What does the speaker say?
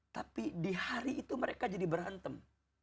tapi di hari itu mereka jadi berantem